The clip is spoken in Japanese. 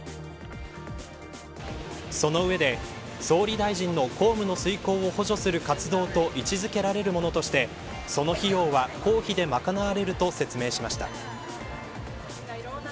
その上で、総理大臣の公務の遂行を補助する活動と位置付けられるものとしてその費用は公費で賄われると説明しました。